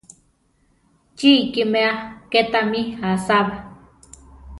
¡Chí ikiméa ké támi asába!